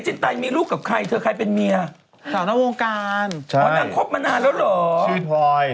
ชื่อพลอย